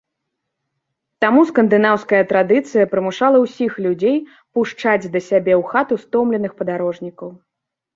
Таму скандынаўская традыцыя прымушала ўсіх людзей пушчаць да сябе ў хату стомленых падарожнікаў.